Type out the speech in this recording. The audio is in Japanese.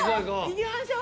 行きましょう！